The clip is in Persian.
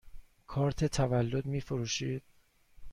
کارت تولد می فروشید؟